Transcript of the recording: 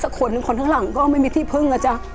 ถ้าเป็นอะไรสักคนคนข้างหลังก็ไม่มีที่เพิ่งนะจ๊ะ